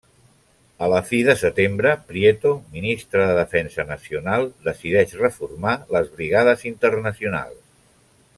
A la fi de setembre Prieto, ministre de Defensa Nacional, decideix reformar les Brigades Internacionals.